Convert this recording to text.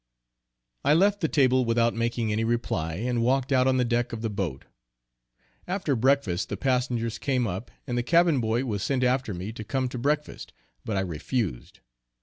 I left the table without making any reply, and walked out on the deck of the boat. After breakfast the passengers came up, and the cabin boy was sent after me to come to breakfast, but I refused.